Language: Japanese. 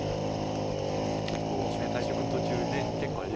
結構対局の途中で結構あれですよね。